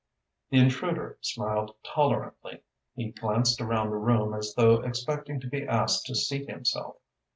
The intruder smiled tolerantly. He glanced around the room as though expecting to be asked to seat himself.